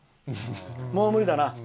もう無理だな。